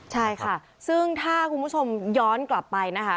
ใช่ค่ะซึ่งถ้าคุณผู้ชมย้อนกลับไปนะคะ